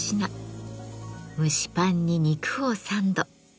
蒸しパンに肉をサンド。